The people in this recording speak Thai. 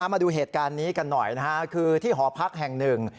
มาดูเหตุการณ์นี้กันหน่อยนะฮะคือที่หอพักแห่งหนึ่ง